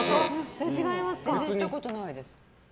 全然したことないです。